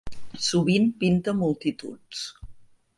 Sovint pinta multituds.